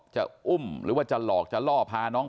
จะอุ้มหรือว่าจะหลอกจะล่อพาน้อง